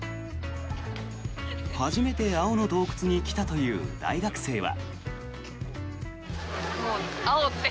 初めて青の洞窟に来たという大学生は。